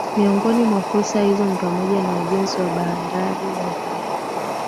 Miongoni mwa fursa hizo ni pamoja na ujenzi wa bandari ya uvuvi